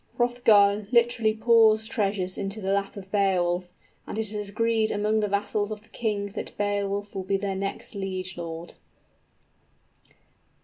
Hrothgar literally pours treasures into the lap of Beowulf; and it is agreed among the vassals of the king that Beowulf will be their next liegelord.